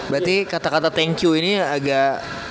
berarti kata kata thank you ini agak